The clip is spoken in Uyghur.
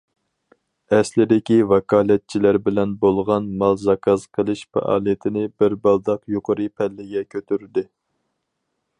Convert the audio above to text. ئەسلىدىكى ۋاكالەتچىلەر بىلەن بولغان مال زاكاز قىلىش پائالىيىتىنى بىر بالداق يۇقىرى پەللىگە كۆتۈردى.